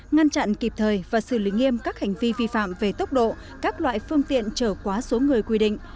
ngăn chặn kịp thời và xử lý nghiêm các hành vi vi phạm về tốc độ các loại phương tiện trở quá số người quy định